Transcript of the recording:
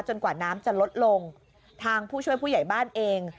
กว่าน้ำจะลดลงทางผู้ช่วยผู้ใหญ่บ้านเอง